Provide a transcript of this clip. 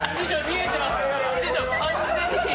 師匠、見えてます。